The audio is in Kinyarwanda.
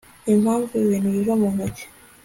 impamvu ibintu biva mu ntoki